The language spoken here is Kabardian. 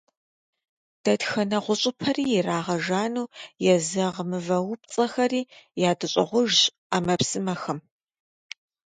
Дэтхэнэ гъущӀыпэри иригъэжану езэгъ мывэупцӀэхэри ядэщӀыгъужщ Ӏэмэпсымэхэм.